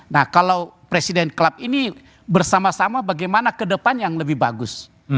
nah kalau presiden club ini bersama sama bagaimana ke depan yang lebih bagus